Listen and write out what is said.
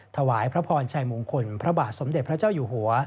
ถวายพระพรชัยมงคลพระบาทสมเด็จพระเจ้าอยู่หัว